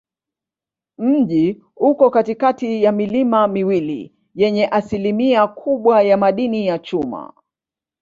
Mji uko katikati ya milima miwili yenye asilimia kubwa ya madini ya chuma.